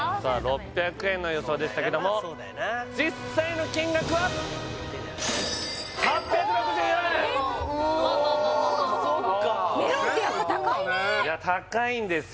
６００円の予想でしたけども実際の金額は８６４円おそっかメロンってやっぱ高いね高いんですよ